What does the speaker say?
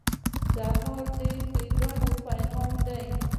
سهار د ښېګڼې پیغام دی.